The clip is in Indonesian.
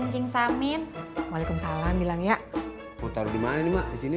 njing samin waalaikumsalam bilang ya mau taruh di mana nih mak disini